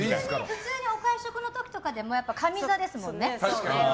普通にお会食の時とかでも上座ですもんね。